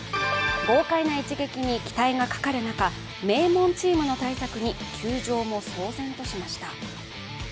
豪快な一撃に期待がかかる中、名門チームの対策に球場も騒然としました。